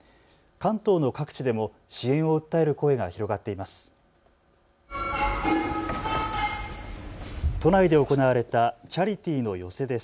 関東の各地でも支援を訴える声が広がっています。